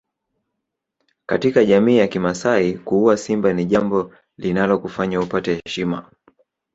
Katika jamii ya kimasai kuua Simba ni jambo linalokufanya upate heshima